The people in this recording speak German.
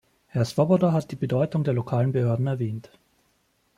Herr Swoboda hat die Bedeutung der lokalen Behörden erwähnt.